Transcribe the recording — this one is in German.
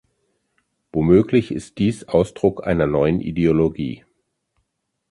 Womöglich ist dies Ausdruck einer neuen Ideologie.